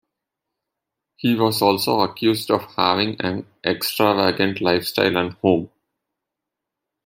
He was also accused of having an extravagant lifestyle and home.